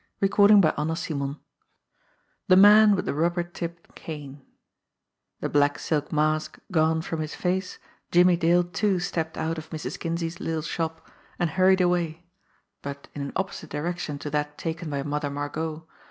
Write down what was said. "Good night, Mother Margot" VI THE MAN WITH THE RUBBER TIPPED CANE THE black silk mask gone from his face, Jimmie Dale too stepped out of Mrs. Kinsey's little shop, and hurried away but in an opposite direction to that taken by Mother Margot.